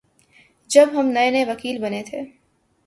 جب ہم نئے نئے وکیل بنے تھے